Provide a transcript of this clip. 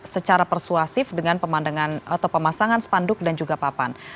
secara persuasif dengan pemandangan atau pemasangan spanduk dan juga papan